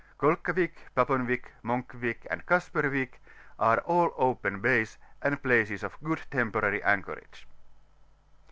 Kolkawick, Faponwick, Monkwick, and Kasperwick, are all open bays, and places of good temporary anchorage.